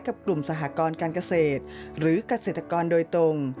กับกลุ่มสหกรการเกษตรหรือเกษตรกรโดยตรง